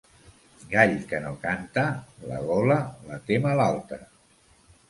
Gall que no canta, la gola la té malalta.